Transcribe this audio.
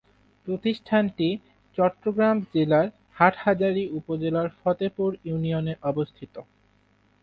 প্রতিষ্ঠানটি চট্টগ্রাম জেলার হাটহাজারী উপজেলার ফতেপুর ইউনিয়নে অবস্থিত।